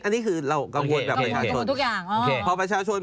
อันนี้คือเรากังวลแบบประชาชน